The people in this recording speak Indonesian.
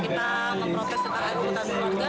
kita memproses tentang ruu ketahanan keluarga